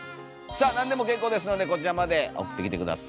さあ何でも結構ですのでこちらまで送ってきて下さい。